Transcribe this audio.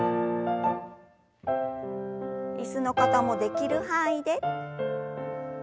椅子の方もできる範囲で。